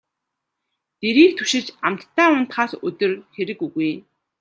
Дэрийг түшиж амттай унтахаас өдөр хэрэг үгүй.